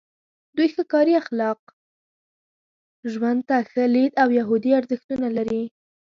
دوی ښه کاري اخلاق، ژوند ته ښه لید او یهودي ارزښتونه لري.